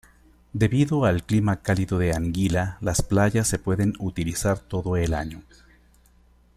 Debido al clima cálido de Anguila, las playas se pueden utilizar todo el año.